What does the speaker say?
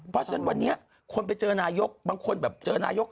เพราะฉะนั้นวันนี้คนไปเจอนายกบางคนแบบเจอนายก